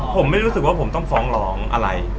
ผมไม่รู้สึกว่าผมต้องฟ้องร้องอะไร